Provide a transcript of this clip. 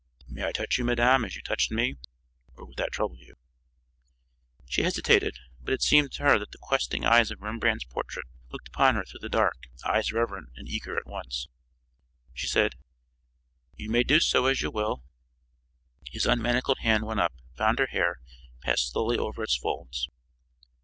"May I touch you, madame, as you touched me? Or would that trouble you?" She hesitated, but it seemed to her that the questing eyes of Rembrandt's portrait looked upon her through the dark eyes reverent and eager at once. She said: "You may do as you will." His unmanacled hand went up, found her hair, passed slowly over its folds.